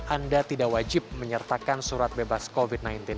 anda tidak wajib menyertakan surat bebas covid sembilan belas